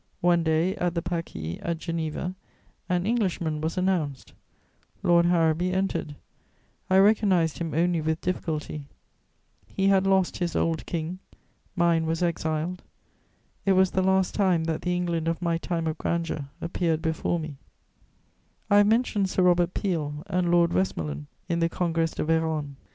One day, at the Pâquis, at Geneva, an Englishman was announced: Lord Harrowby entered; I recognised him only with difficulty: he had lost his old King; mine was exiled. It was the last time that the England of my time of grandeur appeared before me. I have mentioned Sir Robert Peel and Lord Westmorland in the _Congrès de Vérone.